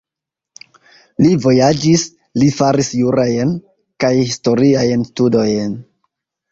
Li vojaĝis, li faris jurajn kaj historiajn studojn.